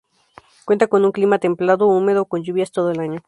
Cuenta con un clima Templado húmedo con lluvias todo el año.